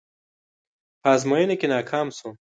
په ازموينه کې ناکام شوم.